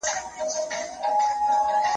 د غم خبر له غلیمانو سره ښه جوړیږي